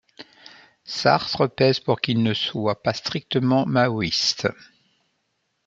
Sartre pèse pour qu’il ne soit pas strictement maoïste.